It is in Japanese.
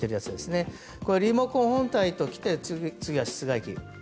リモコン本体ときて次は室外機です。